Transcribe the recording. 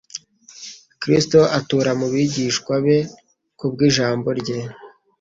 Kristo atura mu bigishwa be kubw'Ijambo rye.